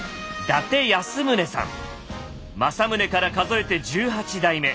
政宗から数えて１８代目。